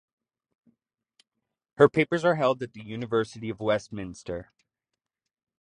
Her papers are held at the University of Westminster.